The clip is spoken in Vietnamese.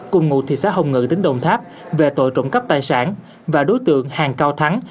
cùng ngụ thị xã hồng ngự tỉnh đồng tháp về tội trộm cắp tài sản và đối tượng hàng cao thắng